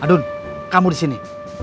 adun kamu di sini